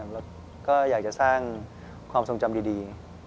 แล้วก็อยากจะสร้างความทรงจำดี